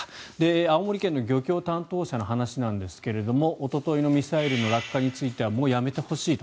青森県の漁協担当者の話なんですがおとといのミサイルの落下についてはもうやめてほしいと。